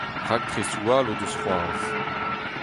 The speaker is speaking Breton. Raktresoù all o deus c'hoazh.